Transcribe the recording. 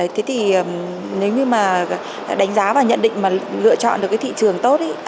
thế thì nếu như mà đánh giá và nhận định mà lựa chọn được cái thị trường tốt ấy